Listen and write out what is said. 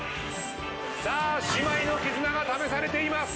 さあ姉妹の絆が試されています。